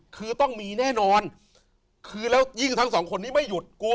คือต้องมีแน่นอนคือแล้วยิ่งทั้งสองคนนี้ไม่หยุดกลัว